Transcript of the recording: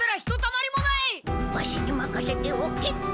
ワシにまかせておけ。